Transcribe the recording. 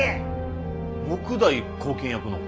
目代後見役の？